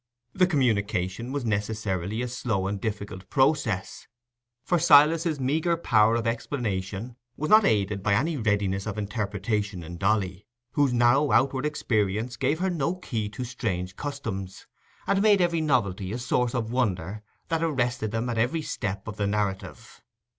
The communication was necessarily a slow and difficult process, for Silas's meagre power of explanation was not aided by any readiness of interpretation in Dolly, whose narrow outward experience gave her no key to strange customs, and made every novelty a source of wonder that arrested them at every step of the narrative.